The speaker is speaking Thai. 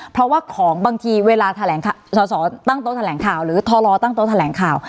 เพราะว่าของบางทีเวลาแถลงสอสอตั้งโต๊ะแถลงข่าวหรือทรอตั้งโต๊ะแถลงข่าว